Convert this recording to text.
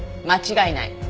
間違いない。